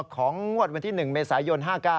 ของงวดวันที่๑เมษายน๕๙